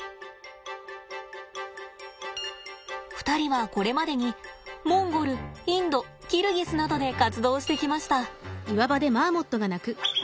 ２人はこれまでにモンゴルインドキルギスなどで活動してきました。